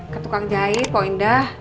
ke tukang jahit poindah